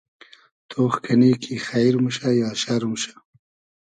تۉخ کئنی کی خݷر موشۂ یا شئر موشۂ